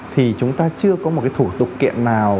thì chúng ta chưa có một cái thủ tục kiện nào